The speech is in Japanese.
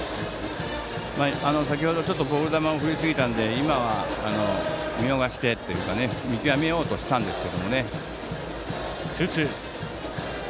先ほど、ちょっとボール球を振りすぎたんで今は見逃してっていうか見極めようとしたんですが。